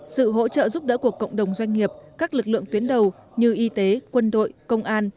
sự hỗ trợ giúp đỡ của cộng đồng doanh nghiệp các lực lượng tuyến đầu như y tế quân đội công an